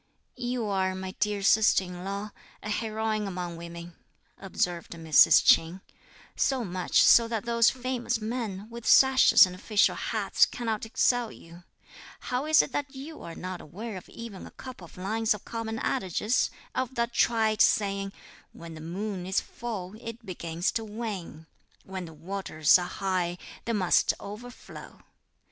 "You are, my dear sister in law, a heroine among women," observed Mrs. Ch'in, "so much so that those famous men, with sashes and official hats, cannot excel you; how is it that you're not aware of even a couple of lines of common adages, of that trite saying, 'when the moon is full, it begins to wane; when the waters are high, they must overflow?'